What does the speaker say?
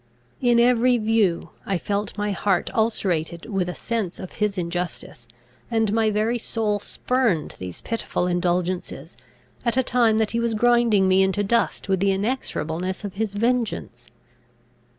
In every view I felt my heart ulcerated with a sense of his injustice; and my very soul spurned these pitiful indulgences, at a time that he was grinding me into dust with the inexorableness of his vengeance.